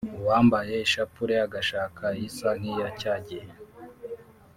uwambaye ishapure agashaka isa nk’iya cya gihe